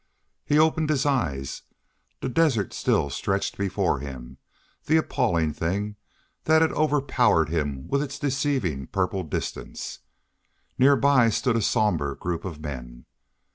He opened his eyes. The desert still stretched before him, the appalling thing that had overpowered him with its deceiving purple distance. Near by stood a sombre group of men.